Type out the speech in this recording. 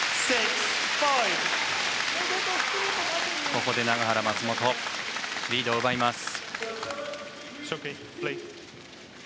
ここで永原、松本リードを奪います。